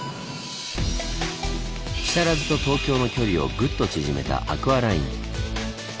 木更津と東京の距離をぐっと縮めたアクアライン。